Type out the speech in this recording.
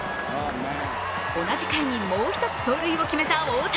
同じ回にもう一つ盗塁を決めた大谷。